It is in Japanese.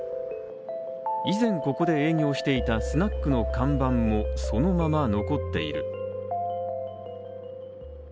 以前ここで営業していたスナックの看板もそのまま残っている。